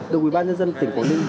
đồng ủy ban nhân dân tỉnh quảng ninh